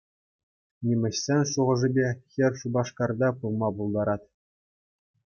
Нимеҫӗсен шухӑшӗпе, хӗр Шупашкара пулма пултарать.